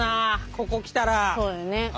ここ来たら。